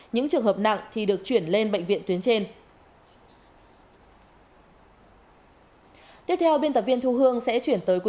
những trường hợp nặng thì được chuyển lên bệnh viện tuyến trên